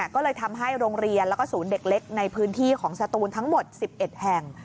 ก็เลยทำให้โรงเรียนแล้วก็ศูนย์เด็กเล็กในพื้นที่ของสตูนทั้งหมด๑๑แห่ง